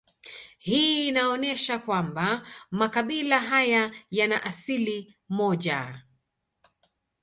Hii inaonesha kwamba makabila haya yana asili moja